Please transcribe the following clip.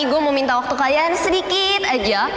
gue mau minta waktu kalian sedikit aja